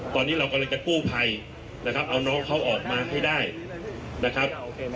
ตอนนี้เรากำลังจะกู้ภัยนะครับเอาน้องเขาออกมาให้ได้นะครับ